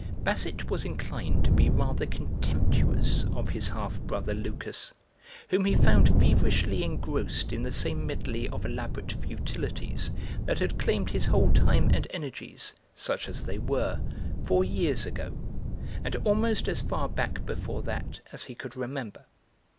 Basset was inclined to be rather contemptuous of his half brother, Lucas, whom he found feverishly engrossed in the same medley of elaborate futilities that had claimed his whole time and energies, such as they were, four years ago, and almost as far back before that as he could remember.